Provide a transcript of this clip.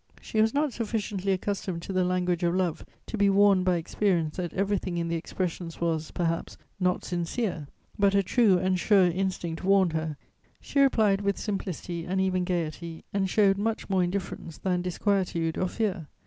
She was not sufficiently accustomed to the language of love to be warned by experience that everything in the expressions was, perhaps, not sincere; but a true and sure instinct warned her; she replied with simplicity and even gaiety, and showed much more indifference than disquietude or fear.